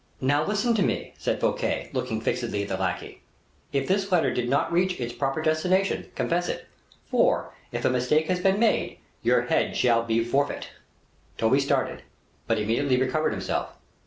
"Now listen to me," said Fouquet, looking fixedly at the lackey; "if this letter did not reach its proper destination, confess it; for, if a mistake has been made, your head shall be the forfeit." Toby started, but immediately recovered himself.